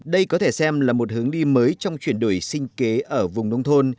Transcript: đây có thể xem là một hướng đi mới trong chuyển đổi sinh kế ở vùng nông thôn